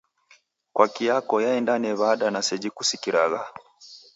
"Kwaki" yako yaindane w'ada na seji kusikiragha?